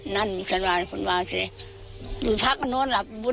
และก็ไม่มีแพร่หรอ